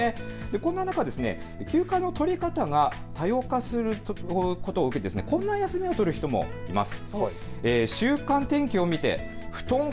こんな中、休暇の取り方が多様化することを受けてこんな休みを取る人もいます。